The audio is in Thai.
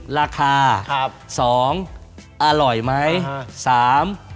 ๑ราคา๒อร่อยไหม